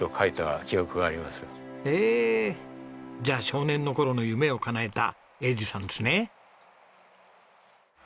じゃあ少年の頃の夢をかなえた栄治さんですね。